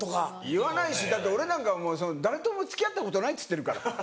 言わないしだって俺なんか「誰とも付き合ったことない」っつってるから。